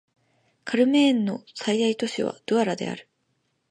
カメルーンの最大都市はドゥアラである